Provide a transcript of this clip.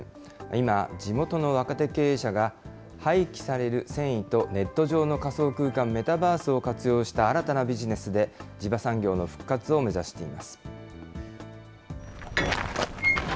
今、地元の若手経営者が、廃棄される繊維とネット上の仮想空間、メタバースを活用した新たなビジネスで、地場産業の復活を目指しています。